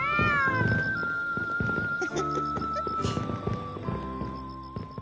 フフフフフ。